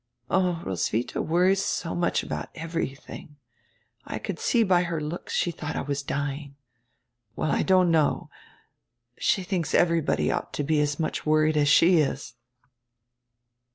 "Oh, Roswitha worries so much about everything. I could see by her looks she thought I was dying. Well, I don't know. She thinks everybody ought to be as much worried as she is."